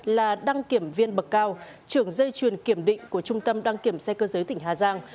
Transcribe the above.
là đăng kiểm viên bậc cao trưởng dây chuyền kiểm định của trung tâm đăng kiểm xe cơ giới tỉnh hà giang